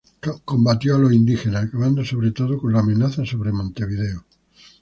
Combatió a los indígenas, acabando sobre todo con la amenaza sobre Montevideo.